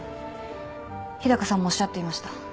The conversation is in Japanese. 日高さんもおっしゃっていました。